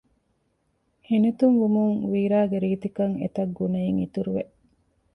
ހިނިތުންވުމުން ވީރާގެ ރީތިކަން އެތަށްގުނައެއް އިތުރުވެ